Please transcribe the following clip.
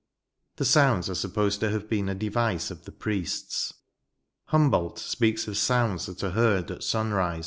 The sounds are supposed to have been a device of the priests. Humboldt speaks of sounds that are heard, at sunrise, 108 NOTES.